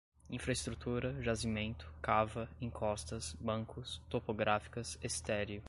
infra-estrutura, jazimento, cava, encostas, bancos, topográficas, estéril